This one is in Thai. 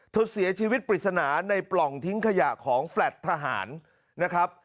เธอเสียชีวิตปริศนาในปล่องทิ้งขยะของแฟลต์ทหารนะครับ